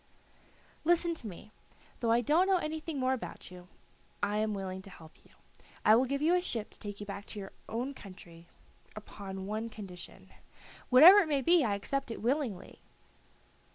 "Listen to me; though I don't know anything more about you, I am willing to help you. I will give you a ship to take you back to your own country upon one condition." "Whatever it may be, I accept it willingly."